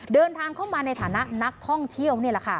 เดินทางเข้ามาในฐานะนักท่องเที่ยวนี่แหละค่ะ